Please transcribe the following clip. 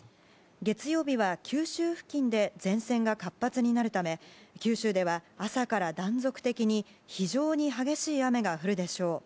月曜日は九州付近で前線が活発になるため九州では朝から断続的に非常に激しい雨が降るでしょう。